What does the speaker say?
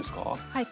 はい。